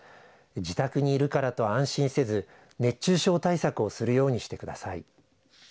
自宅にいるからと安心せず熱中症対策をするようにしてください。